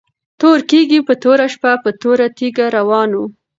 تور کيږی په توره شپه په توره تيږه روان وو